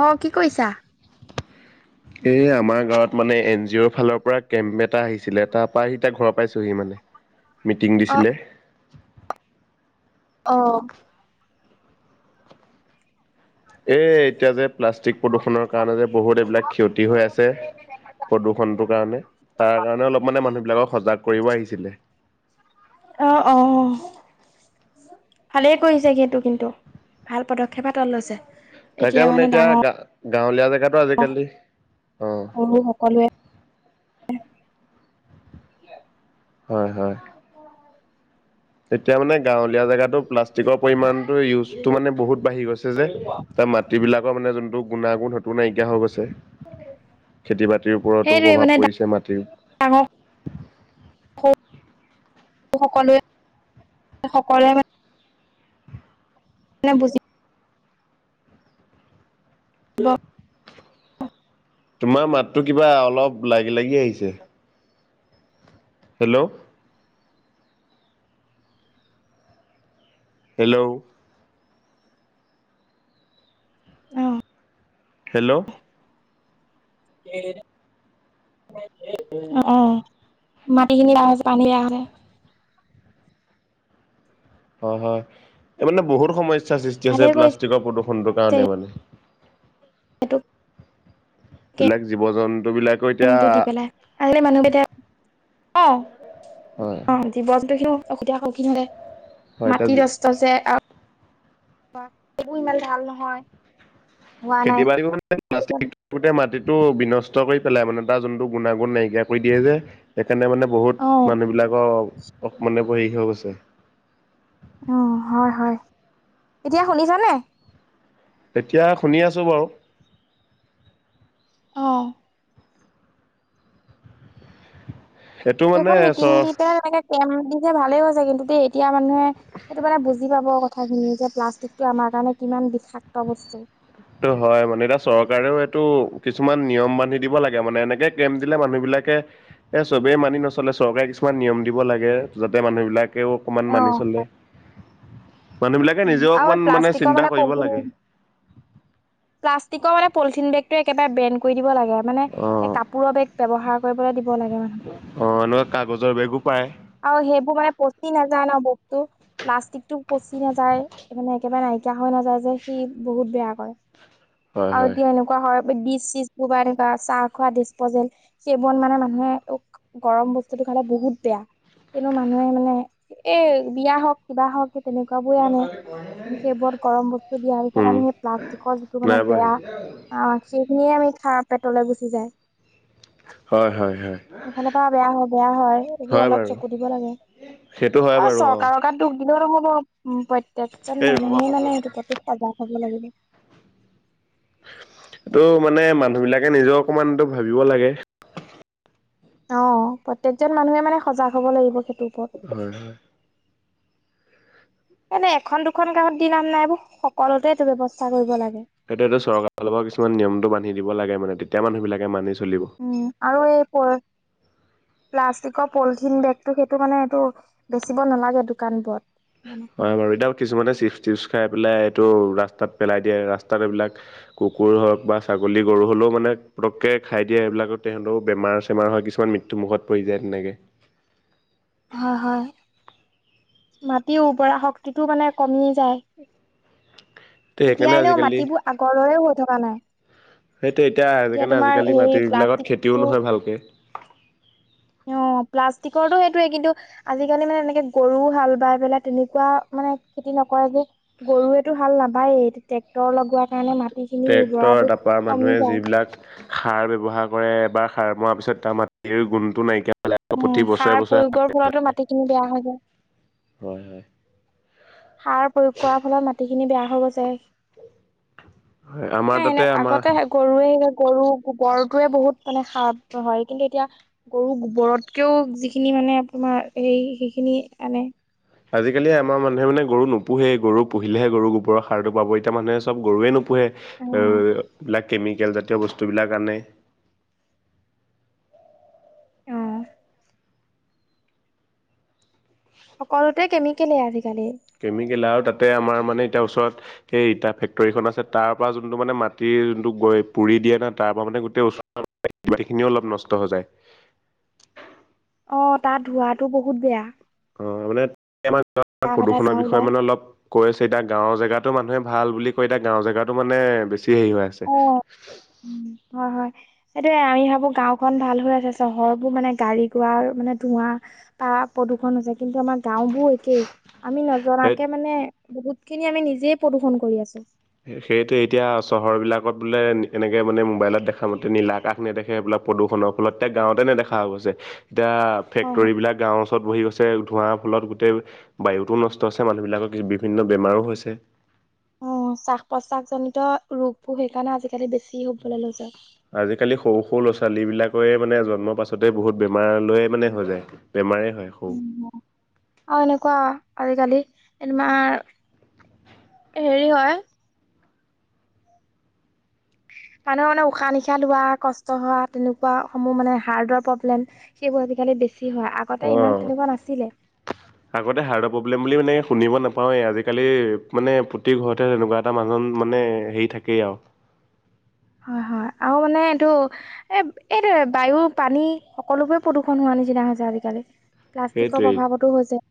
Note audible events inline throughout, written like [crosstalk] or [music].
অ কি কৰিছা? এ আমাৰ গাঁৱত মানে এন জি অ'ৰ ফালৰ পৰা কেম্প এটা আহিছিলে তাৰ পৰা আহি এতিয়া ঘৰৰ পাইছোহি মানে। মিটিং অ দিছিলে অ এই এতিয়া যে প্লাষ্টিক, প্ৰদূষণৰ কাৰণে যে বহুত এইবিলাক ক্ষতি হৈ আছে। প্ৰদূষণটোৰ কাৰণে তাৰ কাৰণে অলপ মানে মানুহ বিলাকক সজাগ কৰিব আহিছিলে। অ অ ভালেই কৰিছে সেইটো কিন্তু ভাল পদক্ষেপ হাতত লৈছে। তাকে মানে এতিয়া গা গাঁৱলীয়া, জেগাতো আজিকালি অ কলোৱে [unintelligible] হয় হয়। এতিয়া মানে গাঁৱলীয়া জেগাতো প্লাষ্টিকৰ, পৰিমাণটো ইউজটো মানে বহুত বাঢ়ি গৈছে যে তাৰ মাটিৰ বিলাকৰ মানে যোনটো গুণাগুণ সেইটো নাইকিয়া হৈ গৈছে। খেতি বাতিৰ ওপৰতো প্ৰভাৱ পৰিছে মাটিৰ, চঙক [unintelligible] [unintelligible] সকলোৱে সকলোৱে মানে মানে বুজি ল তোমাৰ মাতটো কিবা অলপ লাগি লাগি আহিছে। হেল্ল'। হেল্ল'। অঁ। হেল্ল'। অঁ' মাটিখিনি [unintelligible] হৈছে পানী [unintelligible] হয় হয়, এই মানে বহুত সমস্যাৰ সৃষ্টি হৈছে ভালেই কৰিছে প্লাষ্টিকৰ প্ৰদূষণটোৰ কাৰণে মানে। সেইটো বেলেগ জীৱ-জন্তু বিলাক টো দি পেলাই, [unintelligible] মানুহকেইটাই অঁ' [unintelligible] হয়। জীৱনটো [unintelligible] [unintelligible] সেইবোৰ হয় এতিয়া ইমান ভাল নহয়। হোৱা খেতি নাই বাৰীও মানে প্লাষ্টিক [unintelligible] গোটেই মাটিটো বিনষ্ট কৰি পেলাই মানে তাৰ যোনটো গুণাগুণ নাইকিয়া কৰি দিয়ে যে সেইকাৰণে মানে অ বহুত মানুহবিলাকৰ সেৰি হৈ গৈছে। উমঁ' হয় হয়, এতিয়া শুনিছানে? এতিয়া শুনি আছো বাৰু। অঁ। এইটো মানে সেইখন মিটিং দি চ [unintelligible] [unintelligible] দিছে ভালেই হৈছে কিন্তু দেই এতিয়া মানুহে সেটো মানে বুজি পাব। [unintelligible] যে প্লাষ্টিকটো আমাৰ কাৰণে কিমান বিষাক্ত বস্তু। সেইটো হয় মানে এতিয়া চৰকাৰেও এইটো কিছুমান নিয়ম বান্ধি দিব লাগে মানে এনেকে [unintelligible] দিলে মানুহ বিলাকে এই চবেই মানি নচলে, চৰকাৰে কিছুমান নিয়ম দিব লাগে যাতে মানুহবিলাকেও অকমান মানি অ', চলে। মানুহ বিলাকে উম, নিজেও আৰু এই অকমান মানে প্লাষ্টিকৰ চিন্তা কৰিব পলিথিন লাগে। প্লাষ্টিকৰ মানে পলিথিন বেগটো একেবাৰে বেণ্ড কৰি দিব লাগে। মানে অ এ কাপোৰৰ বেগ ব্যৱহাৰ কৰিবলৈ দিব লাগে মানুহক। অঁ' এনেকুৱা কাগজৰ বেগো পায়। আৰু সেইবোৰ মানে পচি নাযায় ন' বেগটো প্লাষ্টিকটো পচি নাযায়। এইবোৰ মানে একেবাৰে নাইকিয়া হৈ নাযায় যে সি বহুত বেয়া কৰে। হয় আৰু হয় এতিয়া এনে- কুৱা হয় ডিচ চিচবোৰ [unintelligible] চাহ খোৱা ডিচপজেল সেইবোৰত মানে মানুহে গৰম বস্তুটো খালে বহুত বেয়া। কিন্তু মানুহে মানে এ বিয়া হওক কিবা হওক তেনেকুৱা বোৰে আনে কিন্তু সেইবোৰত গৰম বস্তু দিয়াৰ পিছত উম আমি সেই প্লাষ্টিকৰ যিটো মানে নাই পোৱা সি বেয়া সেইখিনিয়ে আমি খাওঁ পেটলৈ গুছি যায়। হয় হয় হয়। সেইফালৰ পৰা বেয়া, বেয়া হয় এইবোৰ অলপ চকু দিব লাগে। সেইটো হয় বাৰু অঁ'। [unintelligible] উমঁ' প্ৰত্যেকজন এই ৰবা মানুহেই মানে সেইটো প্ৰতি সজাগ হ'ব লাগিব। এইটো মানে মানুহ বিলাকে নিজেও অকমানটো ভাবিব লাগে। অঁ' প্ৰত্যেকজন মানুহে মানে সজাগ হ'ব লাগিব সেইটোৰ ওপৰত। হয় হয়। [unintelligible] এনে, এখন, দুখন গাঁৱত দি নাম এইবোৰ, সকলোতে এইটো ব্যৱস্থা কৰিব লাগে। সেটোৱেটো চৰকাৰ ফালৰপৰা কিছুমান নিয়মটো বান্ধি দিব লাগে মানে, তেতিয়া মানুহ বিলাকে মানি চলিব। উম, আৰু এই প প্লাষ্টিকৰ পলিথিন বেগটো, সেইটো মানে এইটো বেচিব নালাগে দোকানবোৰত। মানে হয় সেইবোৰ। বাৰু, এতিয়াও কিছুমানে চিপছ-টিপছ খাই পেলাই এইটো ৰাস্তাত পেলাই দিয়ে, ৰাস্তাত এইবিলাক কুকুৰ হওক বা ছাগলী-গৰু হ'লেও মানে পটকৈ খাই দিয়ে এইবিলাকত তেহেতও বেমাৰ-চেমাৰ হয় কিছমান মিত মৃত্যু মুখত পৰি যায় তেনেকে। হয়, হয়। মাটি উৰ্বৰা শক্তিটো মানে কমি যায়। তে এতিয়া সেইকাৰণে এনেও আজিকালি মাটিবোৰ আগৰ দৰে হৈ থকা নাই। সেইটো, এতিয়া কাৰণে তোমাৰ আজিকালি হেৰি মাটিবিলাকত খেতিও প্লাষ্টিকটো নহয় ভালকে। অ', প্লাষ্টিকৰটো সেইটোৱে কিন্তু আজিকালি মানে এনেকে, গৰু হাল বাই পেলাই তেনেকুৱা মানে খেতি নকৰে যে। গৰুৱেটো হাল নাবায়েই ট্ৰেক্টৰ লগোৱাত ট্ৰেক্টৰ তাৰপৰা মানুহে যায়। যিবিলাক সাৰ ব্যৱহাৰ কৰে, এবাৰ সাৰ মৰা পিছত তাৰ মাটিৰ গুণটো নাইকিয়া হৈ যায় আকৌ উম, প্ৰতি বছৰে সাৰ বছৰে প্ৰয়োগৰ ফলতো মাটিখিনি বেয়া হৈ যায়। হয়, হয়। সাৰ প্ৰয়োগ কৰাৰ ফলত, মাটিখিনি বেয়া হৈ গৈছে। হয় আমাৰ নাই তাতে এনেও আমাৰ আগতেহে গৰুৱে, গৰু গোবৰটোৱে বহুত মানে সাৰ হয়। কিন্তু এতিয়া গৰু গোবৰতকেও যিখিনি মানে, আপোনাৰ হেৰি সেইখিনি আনে। আজিকালি আমাৰ মানুহে মানে গৰু নোপোহে, গৰু পুহিলেহে গৰু গোবৰটো সাৰটো পাব এতিয়া মানুহে চব গৰুৱে নো পোহে অ এই বিলাক কেমিকেল জাতীয় বস্তুবিলাক আনে। অ'। সকলোতে কেমিকেলে আজিকালি। কেমিকেলে, আৰু তাতে আমাৰ মানে এতিয়া ওচৰত সেই ইতা ফেক্টৰীখন আছে, তাৰপৰা যোনটো মানে মাটিৰ যোনটো পুৰি দিয়ে না, তাৰপৰা মানে গোটেই ওচৰত মানে মাটিখিনিও অলপ নষ্ট হৈ যায়। অ', তাত ধোঁৱাতো বহুত বেয়া। অ', মানে [unintelligible] টাব এটা প্ৰদূষণৰ ধোঁৱা বিষয়ে ওলাই মানে অলপ কৈ আছে এতিয়া, গাঁৱৰ জেগাতো মানুহে ভাল বুলি কয়, এতিয়া গাঁৱৰ জেগাটো মানে বেছি হেৰি হৈ আছে। হয়, হয়। সেইটোৱে, আমি ভাবো গাওঁখন ভাল হৈ আছে, চহৰবোৰ মানে গাড়ী-গোৱা মানে ধোৱা বা প্ৰদূষণ হৈছে, কিন্তু আমাৰ গাওঁবোৰো কেই আমি সেই নজনাকে মানে, বহুতখিনি আমি নিজে প্ৰদূষন কৰি আছোঁ। সেইটোৱে, এতিয়া চহৰবিলাকত বোলে এনেকৈ মানে মোবাইলত দেখামতে নিলা কাষ নেদেখে এইবিলাক, প্ৰদূষণৰ ফলত এ গাঁৱতে নেদেখা হৈ গৈছে। এতিয়া হয় হয়। ফেক্টৰী বিলাক গাঁৱৰ ওচৰ ওচৰত বহি গৈছে, ধোঁৱাৰ ফলত গোটেই বায়ুটো নষ্ট হৈছে মানুহবিলাকৰ বিভিন্ন বেমাৰো হৈছে। অ', শ্বাস-প্ৰশ্বাসজনিত ৰোগবোৰ সেইকাৰণে, আজিকালি বেছি হ'বলৈ লৈছে। আজিকালি সৰু, সৰু ল'ৰা-ছোৱালী বিলাকৰে মানে জন্মৰ পাছতে বহুত বেমাৰলৈয়ে মানে হৈ যায়। বেমাৰে হয়। সৰু উম। অ', এনেকুৱা আজিকালি, এ তোমাৰ হেৰি হয়। মানুহ, মানে উশাহ-নিশাহ লোৱা, কষ্ট হোৱা, তেনেকুৱা সমূহ মানে হাৰ্টৰ প্ৰব্লেম। সেইবোৰ আজিকালি বেছি হয় আগতে ইমান অঁ তেনেকুৱা নাছিলে। আগতে হাৰ্টৰ প্ৰব্লেম বুলি মানে শুনিব নাপাওঁৱেই আজিকালি মানে প্ৰতি ঘৰতে তেনেকুৱা। এটা মানুহজন মানে হেৰি থাকেই আও হয়ঁ হয়ঁ আৰু মানে এইটো এ এইটো বায়ু পানী সকলোবৰে প্ৰদূষণ হোৱা নিচিনা হৈছে আজিকালি। প্লাষ্টিকৰ সেইটোৱেই প্ৰভাৱতো হৈছে।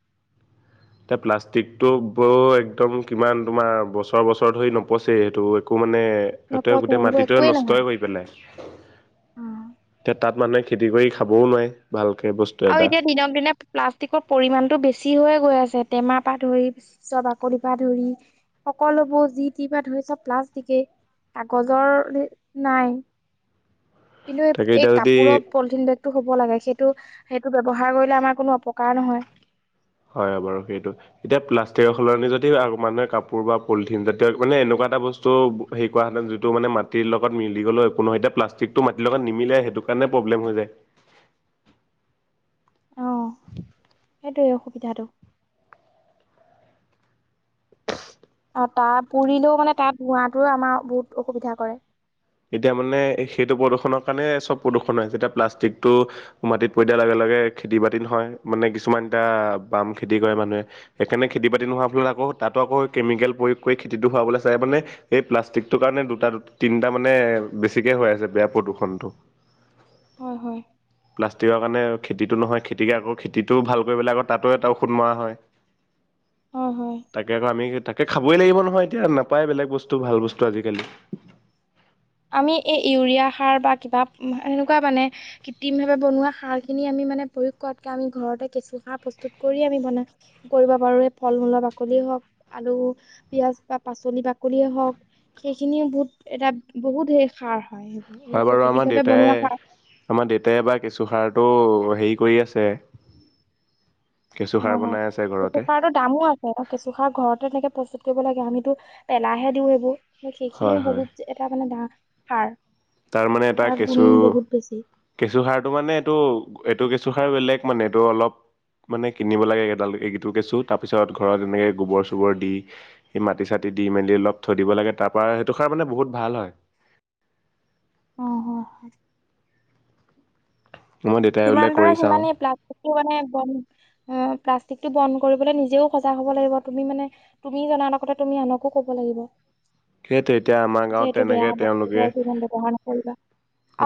এতিয়া প্লাষ্টিকটো ব একদম কিমান তোমাৰ বছৰ বছৰ ধৰি নপচেই সেইটো একো মানে সিহঁতে নপচে গোটেই সেইবোৰ মাটিটো একোৱেই নহয় নষ্টয়ে কৰি পেলাই। এতিয়া তাত মানুহে খেতি কৰি খাবও নোৱাৰে ভালকে বস্তু। আৰু এটা এতিয়া দিনক দিনে- প্লাষ্টিকৰ পৰিমাণটো বেছি হৈয়ে গৈ আছে টেমাৰ পৰা ধৰি ছৰ বাকলিৰ পৰা ধৰি। সকলোবোৰ যিটি পা ধৰি চব প্লাষ্টিকেই কাগজৰ নাই। কিন্তু তাকে এই এতিয়া যদি কাপোৰৰ পলিথিন বেগটো হ'ব লাগে সেইটো- সেইটো ব্যৱহাৰ কৰিলে আমাৰ কোনো অপকাৰ নহয়। হয়ঁ বাৰু সেইটো। এতিয়া প্লাষ্টিকৰ সলনি যদি মানুহে কাপোৰ বা পলিথিন জাতীয় মানে এনেকুৱা এটা বস্তু। সেই কৰাহেঁতেন যিটো মানে মাটিৰ লগত মিলি গ'লেও একো নহয় এতিয়া মানে প্লাষ্টিকটো মাটিৰ লগত নিমিলে সেইটো কাৰণে প্ৰব্লেম হৈ যায়। অঁ সেইটোৱেই অসুবিধাটো। অঁ তাৰ পুৰিলেও মানে তাৰ ধোঁৱাটোৱে আমাৰ বহুত অসুবিধা কৰে। এতিয়া মানে সেইটো প্ৰদূষণৰ কাৰণে চব প্ৰদূষণ হৈছে এতিয়া প্লাষ্টিকটো। মাটিত পৰি দিয়াৰ লগে লগে খেতি বাতিল হয় মানে কিছুমান এটা বাম খেতি কৰে মানুহে। সেইকাৰণে খেতি বাতি নোহোৱাৰ ফলত আকৌ তাতো আকৌ কেমিকেল প্ৰয়োগ কৰি খেতিটো হোৱাবলৈ চায় মানে এই প্লাষ্টিকটোৰ কাৰণে দুটা দুটা তিন তাৰ মানে বেছিকে হৈ আছে বেয়া প্ৰদূষণটো। হয়ঁ হয়ঁ! প্লাষ্টিকৰ কাৰণে খেতিটো নহয় খেতিক আকৌ খেতিটোও ভাল কৰিবলৈ আকৌ তাতো এটা ঔষধ মৰা হয়ঁ। অঁ হয়। তাকে আকৌ আমি তাকে খাবই লাগিব নহয় এতিয়া নাপায় বেলেগ বস্তু ভাল বস্তু আজিকালি। আমি এই ইউৰিয়া সাৰ বা কিবা এনেকুৱা মানে। কৃত্ৰিম ভাৱে বনোৱা সাৰ খিনি আমি মানে প্ৰয়োগ কৰাতকে আমি ঘৰতে কেঁচু সাৰ প্ৰস্তুত কৰিয়ে আমি বনাম। কৰিব পাৰো এই ফলমূলৰ বাকলিয়ে হওঁক আলু পিঁয়াজ বা পাচলি বাকলিয়েই হওঁক। সেইখিনিও বহুত এটা বহুত হে সাৰ হয়ঁ। হয়ঁ বাৰু আমাৰ দেউতাই আমাৰ দেউতাই বা কেঁচুসাৰটো হেৰি কৰি আছে। কেঁচুসাৰ হয়ঁ হয়ঁ বনাই আছে কেঁচু ঘৰতে। সাৰটোত। কামো আছে কেঁচুসাৰ ঘৰতে তেনেকে প্ৰস্তুত কৰিব লাগে আমিতো পেলাহে দিওঁ এইবোৰ। হয় সেইখিনিও হয় বহুত যে এটা মানে দা সাৰ তাৰ মানে এটা গুণ কেঁচু- বহুত বেছি কেঁচুসাৰটো মানে এইটো এইটো কেঁচুসাৰ বেলেগ মানে এইটো অলপ। মানে কিনিব লাগে এডাল এইকেডাল কেঁচু তাৰপিছত ঘৰত এনেকৈ গোবৰ চোবৰ দি এই মাটি চাটি দি মেলি অলপ থৈ দিব লাগে তাৰপৰা সেইটো সাৰ মানে বহুত ভাল হয়। অঁ হঁয় হঁয়। মই দেউতাই বোলে যিমান পাৰে কৰি চাওঁ সিমানেই প্লাষ্টিকটো মানে বন্ধ। অঁ প্লাষ্টিকটো বন্ধ কৰিবলৈ নিজেও সজাগ হ'ব লাগিব তুমি মানে। তুমি জনাৰ লগতে তুমি আনকো কব লাগিব। সেইটো এতিয়া আমাৰ যে গাঁৱত এইটো বেয়া তেনেকে বস্তু তেওঁলোকে হয়ঁ এইটো সিমান ব্যৱহাৰ নকৰিবা।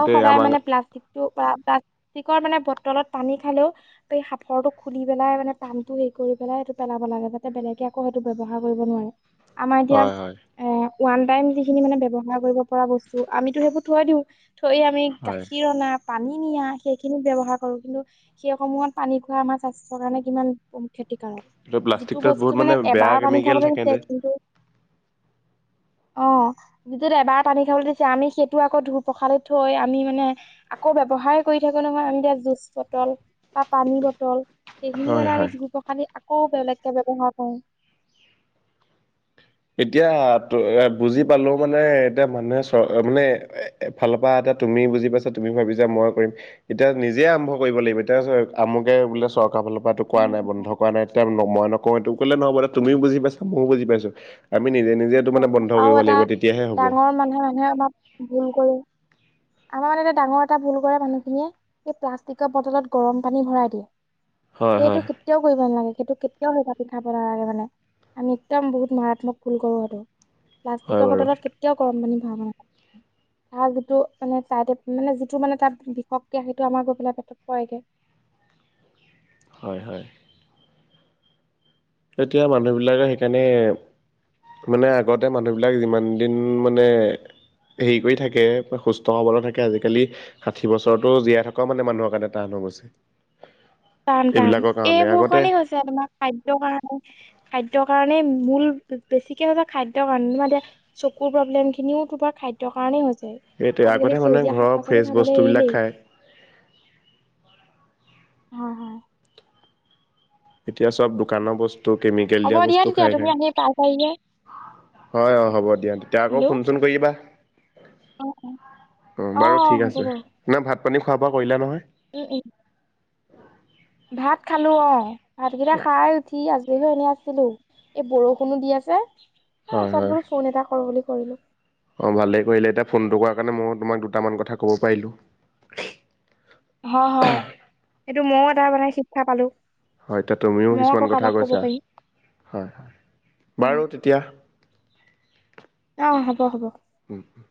আৰু সদায় আমাৰ মানে প্লাষ্টিক [unintelligible] প্লাষ্টিকৰ মানে বটলত পানী খালেও [inaudible] এই সাঁফৰটো খুলি পেলাই মানে পানী হেৰি কৰি পেলাই সেইটো পেলাব লাগে যাতে বেলেগে আকৌ সেইটো ব্যৱহাৰ কৰিব নোৱাৰে। [inaudible] আমাৰ এতিয়া হয় [inaudible] হয় এ ওৱান টাইম যিখিনি মানে ব্যৱহাৰ কৰিব পৰা বস্তু আমিতো সেইবোৰ থৈ দিওঁ, থৈ আমি [inaudible] হয় গাখীৰ অনা, পানী নিয়া। [inaudible] সেইখিনি ব্যৱহাৰ কৰিবলৈ [unintelligible] সেইসমূহত পানী খোৱা আমাৰ স্বাস্থ্যৰ কাৰণে কিমান ক্ষতিকাৰক। এইটো যিটো প্লাষ্টিকটোত বহুত বস্তু মানে বেয়া এবাৰ পানী কেমিকেল খাবলৈ থাকে দিছে যে কিন্তু [inaudible] অঁ! [inaudible] যিটোত এবাৰ পানী খাবলৈ দিছে আমি সেইটো আকৌ ধুই প্ৰসাৰি থৈ আমি মানে আকৌ ব্যৱহাৰ [inaudible] কৰি থাকো নহয়। আমি এতিয়া জুচ বটল বা পানী বটল সেইখিনি হয় মানে আমি হয়। ধুই প্ৰসা [inaudible] আমি আকৌ বেলেগকে ব্যৱহাৰ কৰোঁ। [unintelligible] এতিয়া এ [unintelligible] বুজি পালো মানে এতিয়া মানুহে চৰ মানে [inaudible] এফালৰ পৰা আকৌ তুমি বুজি পাইছা তুমি ভাবিছা মই কৰিম। [inaudible] এতিয়া নিজে আৰম্ভ কৰিব লাগিব এতিয়া চোৱা আমুকে বোলে চৰকাৰ ফালৰ [inaudible] [inaudible] কৰা নাই বন্ধ কৰা নাই এতিয়া মই নকওঁ এইটোক ক'লে নহ'ব দে তুমিও বুজি পাইছা ময়ো বুজি পাইছো। [unintelligible] আমি নিজে-নিজে [inaudible] আৰু এটা ডাঙৰ মানুহে-মানুহে আমাক ভুল কৰে [inaudible] আমাৰ মানে ডাঙৰ এটা ভুল কৰে মানুহখিনিয়ে সেই প্লাষ্টিকৰ বটলত গৰম পানী ভৰাই দিয়ে। [inaudible] হয় সেইটো হয় [inaudible] কেতিয়াও কৰিব নালাগে। সেইটো কেতিয়াও সেই কেতিয়াও পিঠা নালাগে মানে আমি একদম বহুত মাৰাত্মক ভুল কৰো সেইটো। [inaudible] হয় প্লাষ্টিকৰ বাৰু বটলত সেইটো কেতিয়াও গৰম পানী ভৰাব [inaudible] তাৰ যিটো মানে তাইতে মানে যিটো মানে তাত বিষতকে সেইটো আমাৰ গৈ পেলাই পেটত পৰেগে। [inaudible] হয়-হয়। [inaudible] এতিয়া মানুহ বিলাকে সেইকাৰণে [inaudible] মানে আগতে মানুহবিলাক যিমান দিন মানে [unintelligible] হেৰি কৰি থাকে, সুস্থ হ'বলে থাকে আজিকালি [inaudible] ষাঠি বছৰতোও জীয়াই থকা মানে মানুহৰ কাৰণে টান হৈ গৈছে। [inaudible] টান-টান। এইবিলাকৰ কাৰণে এইবোৰ আগতে কাৰণে হৈছে আৰু তোমাৰ খাদ্যৰ কাৰণে। [inaudible] খাদ্যৰ কাৰণেই, মূল বেছিকে হৈছে খাদ্যৰ কাৰণে তোমাৰ এতিয়া [inaudible] চকুৰ প্ৰব্লেমখিনিও তোমাৰ খাদ্যৰ কাৰণেই হৈছে। সেইটোৱে [inaudible] আগতে আজিকালি মানুহে সেউজীয়া ঘৰৰ শাক-পাচলি ফ্ৰেছ খাবলে বস্তুবিলাক এৰিলেই। [inaudible] খায় হয়-হয়। [unintelligible] এতিয়া চব দোকানৰ বস্তু, কেমিকেল হ'ব দিয়া বস্তু তেতিয়া খাই তুমি খায়। [inaudible] আহি পাই পাৰিলে হয় অ হ'ব দিয়া। তেতিয়া আকৌ হেল্ল' ফোন-চোন কৰিবা? [inaudible] অ অঁ অ অ বাৰু ঠিক হ'ব আছে। বাৰু না ভাত-পানী খোৱা-বোৱা কৰিলা নহয়? [inaudible] উম-উম। [unintelligible] ভাত খালো অঁ। ভাতকেইটা খাই উঠি আজৰি হৈ এনেই আছিলো। [inaudible] এই বৰষুণো দি আছে। হয় এই চব বোলো ফোন এটা কৰো বুলি কৰিলো। [inaudible] অঁ! ভালেই কৰিলে এতিয়া ফোনটো কৰাৰ কাৰণে মইয়ো তোমাক দুটামান কথা ক'ব পাৰিলোঁ। [inaudible] হয়-হয়। সেইটো মইও এটা মানে শিক্ষা পালো। [inaudible] হয়, এতিয়া তুমিও ময়ো আকৌ কিছুমান কথা কাৰোবাক ক'ব কৈছা। পাৰিম হয়-হয়। হয় বাৰু তেতিয়া [inaudible] অঁ! হ'ব-হ'ব। [unintelligible] [inaudible]